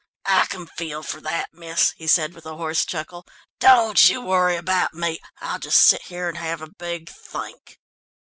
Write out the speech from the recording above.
"I can feel for that, miss," he said with a hoarse chuckle. "Don't you worry about me. I'll just sit here and have a big think."